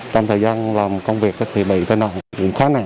trong thời gian làm công việc thì bị tân an khó nằm